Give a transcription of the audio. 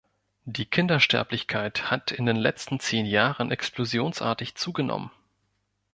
Die Kindersterblichkeit hat in den letzten zehn Jahren explosionsartig zugenommen.